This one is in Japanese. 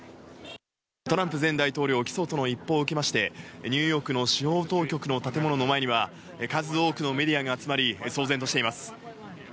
トランプ前大統領起訴との一報を受けましてニューヨークの司法当局の建物の前には数多くのメディアが集まり騒然としています。